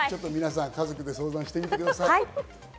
家族で相談してみてください。